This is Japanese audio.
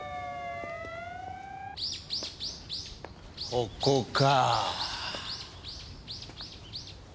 ここか。